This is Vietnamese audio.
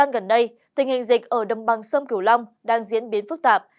nghị dịch ở đầm bằng sông cửu long đang diễn biến phức tạp